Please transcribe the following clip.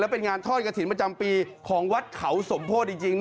เป็นงานทอดกระถิ่นประจำปีของวัดเขาสมโพธิจริง